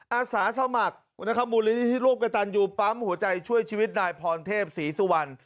อาสาสมัครมูลนิธิร่วมกระตันยูปั๊มหัวใจช่วยชีวิตนายพรเทพศรีสุวรรณ